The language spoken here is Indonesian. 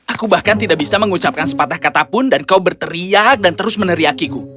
aku bahkan tidak bisa mengucapkan sepatah katapun dan kau berteriak dan terus meneriakiku